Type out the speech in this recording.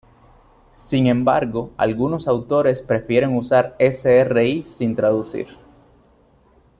Sin embargo, algunos autores prefieren usar Sri sin traducir.